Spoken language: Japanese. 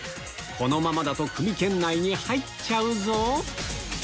このままだとクビ圏内に入っちゃうぞ